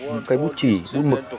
những cây bút chỉ bút mực